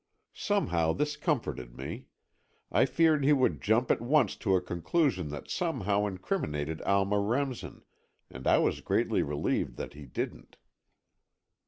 Somehow this comforted me. I feared he would jump at once to a conclusion that somehow incriminated Alma Remsen, and I was greatly relieved that he didn't.